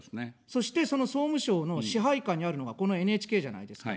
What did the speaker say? そして、その総務省の支配下にあるのが、このＮＨＫじゃないですか。